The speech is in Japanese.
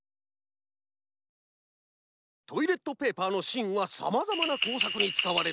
トイレットペーパーのしんはさまざまなこうさくにつかわれる。